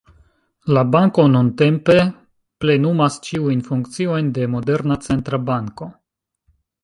La banko nuntempe plenumas ĉiujn funkciojn de moderna centra banko.